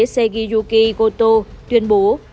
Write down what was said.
segi yuki goto tuyên bố